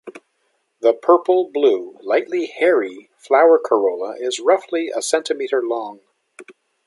The purple-blue, lightly hairy flower corolla is roughly a centimeter long.